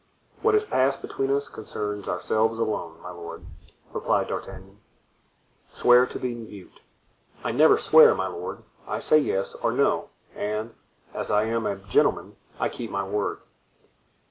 "What has passed between us concerns ourselves alone, my lord," replied D'Artagnan. "Swear to be mute." "I never swear, my lord, I say yes or no; and, as I am a gentleman, I keep my word."